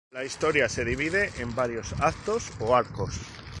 La historia se divide en varios actos o arcos.